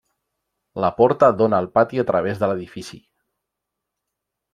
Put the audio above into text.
La porta dóna al pati a través de l'edifici.